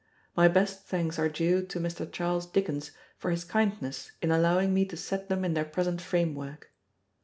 My best thanks are due to Mr. Charles Dickens for his kindness in allowing me to set them in their present frame work.